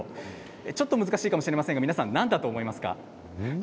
ちょっと難しいかもしれませんが何だと思いますか？